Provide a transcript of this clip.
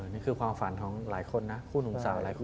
นี่คือความฝันของหลายคนนะคู่หนุ่มสาวหลายคู่